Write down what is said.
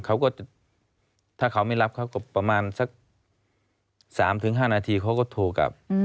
เขาก็ถ้าเขาไม่รับเขาก็ประมาณสัก๓๕นาทีเขาก็โทรกลับ